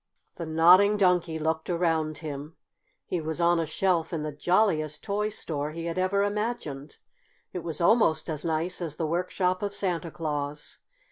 The Nodding Donkey looked around him. He was on a shelf in the jolliest toy store he had ever imagined. It was almost as nice as the workshop of Santa Claus.